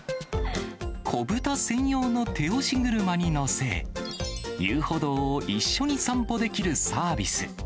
子豚専用の手押し車に乗せ、遊歩道を一緒に散歩できるサービス。